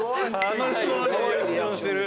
楽しそうにリアクションしてる。